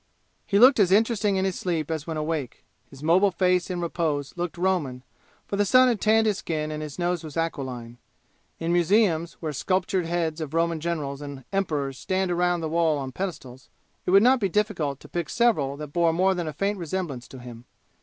He looked as interesting in his sleep as when awake. His mobile face in repose looked Roman, for the sun had tanned his skin and his nose was aquiline. In museums, where sculptured heads of Roman generals and emperors stand around the wall on pedestals, it would not be difficult to pick several that bore more than a faint resemblance to him.